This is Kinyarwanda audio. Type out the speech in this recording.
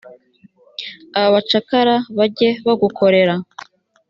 abacakara bajye bagukorera.